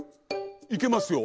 いけますよ。